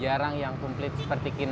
jarang yang kumplit seperti kinanti